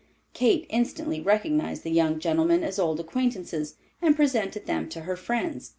Kate instantly recognized the young gentlemen as old acquaintances, and presented them to her friends.